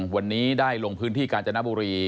วันนี้ได้ลงพื้นที่กาญจนบุรี